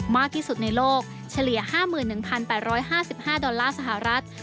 มากที่สุดในโลกเฉลี่ย๕๑๘๕๕ดอลลาร์สหรัฐ